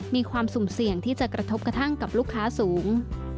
มีความสุ่มเสี่ยงที่จะกระทบกระทั่งกับลูกค้าสูง